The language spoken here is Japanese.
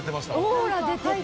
オーラ出てた。